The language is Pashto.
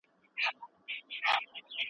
میناپاز د ښځو خوب ګډوډوي.